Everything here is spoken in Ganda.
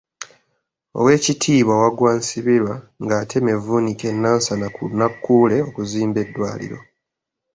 Owekitiibwa Wagwa Nsibirwa ng'atema evvuunike e Nansana ku Nakkuule okuzimba eddwaliro.